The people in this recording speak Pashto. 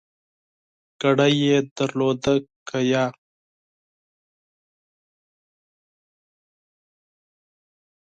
کورنۍ یې درلودله که نه ؟